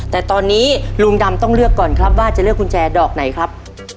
แต่ตอนนี้ลุงดำต้องเลือกก่อนครับว่าจะเลือกกุญแจดอกไหนครับ